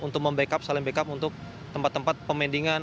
untuk membackup saling backup untuk tempat tempat pemendingan